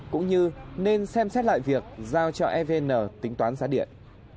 cũng như nên xem xét lại việc giao cho evn tính toán giá điện